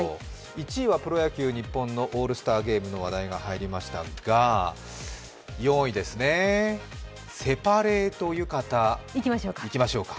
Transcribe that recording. １位はプロ野球、日本のオールスターゲームの話題が入りましたが４位ですね、セパレート浴衣いきましょうか。